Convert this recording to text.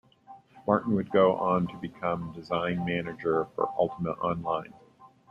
Martin would go on to become Design Manager for "Ultima Online".